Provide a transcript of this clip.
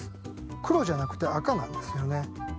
黒じゃなくて赤なんですよね。